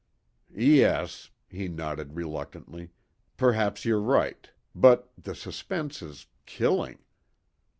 "Yes," he nodded reluctantly, "perhaps you're right, but the suspense is killing.